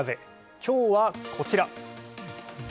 きょうは、こちら。